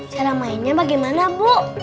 cara mainnya bagaimana bu